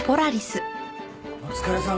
お疲れさま。